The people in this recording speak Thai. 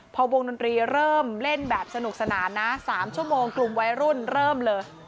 พอวงดนตรีเริ่มเล่นแบบสนุกสนานนะ๓ชั่วโมงกลุ่มวัยรุ่นเริ่มเลย